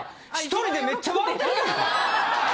１人でめっちゃ笑てるやんか。